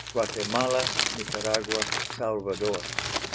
Guatemala, Nicaragua, Salvador.